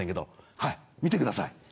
はい見てください。